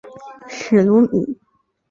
史努比。